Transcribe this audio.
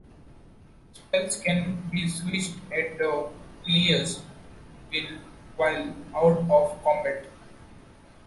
Spells can be switched at the players will while out of combat.